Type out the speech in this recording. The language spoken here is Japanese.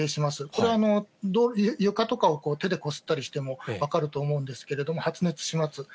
これ、床とかを手でこすったりしても分かると思うんですけれども、発熱します。